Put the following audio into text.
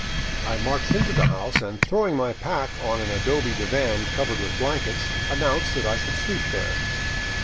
I marched into the house and, throwing my pack on an adobe divan covered with blankets, announced that I should sleep there.